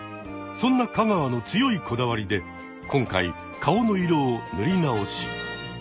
そんな香川の強いこだわりで今回顔の色をぬりなおし。